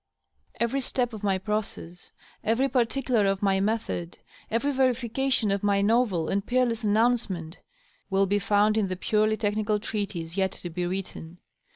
Every step of my process, every particular of my method, every verification of my novel and peerless announcement, will be found in the purely technical treatise DOUGLAS WANE. 581 yet to be written.